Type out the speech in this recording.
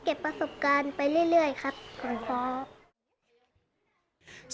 เก็บประสบการณ์ไปเรื่อยครับขอขอ